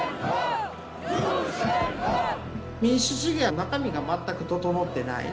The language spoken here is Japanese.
民主主義は中身が全く整ってない。